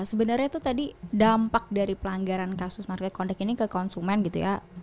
sebenarnya itu tadi dampak dari pelanggaran kasus market condec ini ke konsumen gitu ya